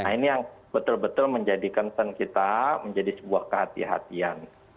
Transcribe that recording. nah ini yang betul betul menjadi concern kita menjadi sebuah kehatian